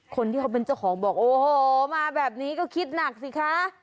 คนที่เขาเป็นเจ้าของบอกโอ้โหมาแบบนี้ก็คิดหนักสิคะ